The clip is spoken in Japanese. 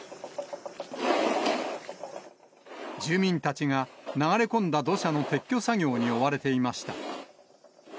住民たちが流れ込んだ土砂の撤去作業に追われていました。